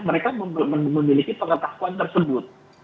mereka memiliki pengetahuan tersebut